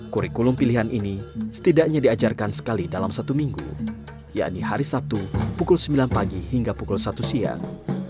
kurikulum pilihan ini setidaknya diajarkan sekali dalam satu minggu yakni hari sabtu pukul sembilan pagi hingga pukul satu siang